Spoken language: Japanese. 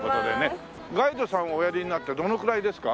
ガイドさんをおやりになってどのくらいですか？